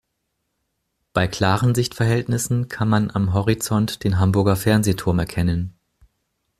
Bei klaren Sichtverhältnissen kann man am Horizont den Hamburger Fernsehturm erkennen.